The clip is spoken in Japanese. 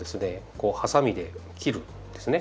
こうハサミで切るんですね。